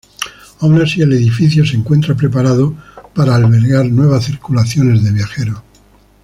Aun así el edificio se encuentra preparado para albergar nuevas circulaciones de viajeros.